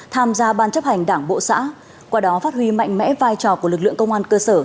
tham gia ban chấp hành đảng bộ xã qua đó phát huy mạnh mẽ vai trò của lực lượng công an cơ sở